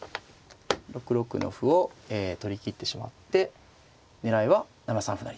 ６六の歩を取りきってしまって狙いは７三歩成と。